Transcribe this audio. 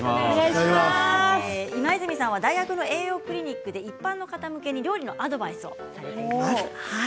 今泉さんは大学の栄養クリニックで一般の方向けに料理のアドバイスをしています。